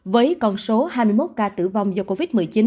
với con số hai mươi một ca tử vong do covid một mươi chín